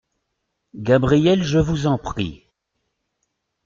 Gabriel Je vous en prie !